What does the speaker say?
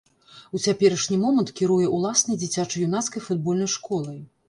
У цяперашні момант кіруе ўласнай дзіцяча-юнацкай футбольнай школай.